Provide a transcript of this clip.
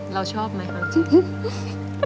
เราชอบไหมครับ